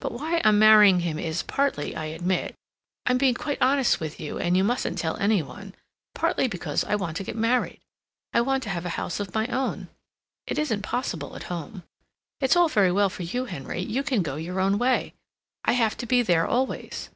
But why I'm marrying him is, partly, I admit—I'm being quite honest with you, and you mustn't tell any one—partly because I want to get married. I want to have a house of my own. It isn't possible at home. It's all very well for you, Henry; you can go your own way. I have to be there always.